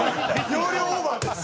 容量オーバーです。